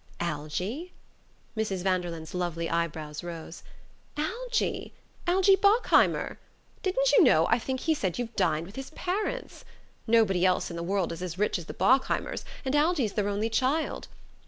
"Algie?" Mrs. Vanderlyn's lovely eyebrows rose. "Algie: Algie Bockheimer. Didn't you know, I think he said you've dined with his parents. Nobody else in the world is as rich as the Bockheimers; and Algie's their only child.